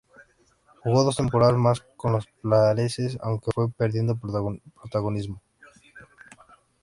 Jugó dos temporadas más con los Pacers, aunque fue perdiendo protagonismo.